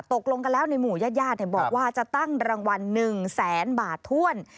ตกลงกันแล้วในหมู่ญาติญาติบอกว่าจะตั้งรางวัล๑แสนบาทถ้วน